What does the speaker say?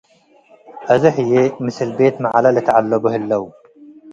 አዜ ህዬ ምስል ቤት መዐለ ልትዐለቦ ህለው ።